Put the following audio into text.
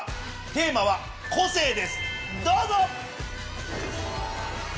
テーマは「個性」ですどうぞ！